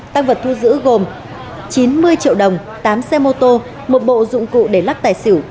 tăng vật thu giữ gồm chín mươi triệu đồng tám xe mô tô một bộ dụng cụ để lắc tài xỉu